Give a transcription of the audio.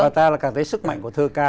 ta càng thấy sức mạnh của thư ca